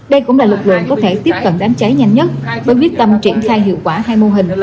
đây cũng là lực lượng có thể tiếp cận đám cháy nhanh nhất với quyết tâm triển khai hiệu quả hai mô hình